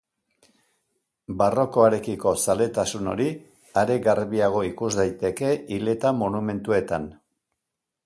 Barrokoarekiko zaletasun hori are garbiago ikus daiteke hileta-monumentuetan.